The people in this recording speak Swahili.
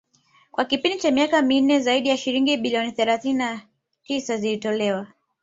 kwa kipindi cha miaka minne zaidi ya shilingi bilioni thelathini na tisa zimetolewa